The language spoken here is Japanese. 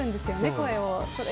声を。